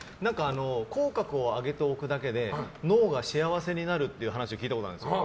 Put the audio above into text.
口角を上げておくだけで脳が幸せになるっていう話を聞いたことがあるんですよ。